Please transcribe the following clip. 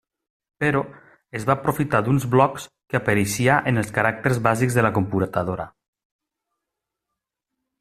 Però, es va aprofitar d'uns blocs que apareixia en els caràcters bàsics de la computadora.